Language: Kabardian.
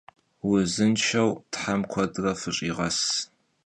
Vuzınşşeu them kuedre fış'iğes!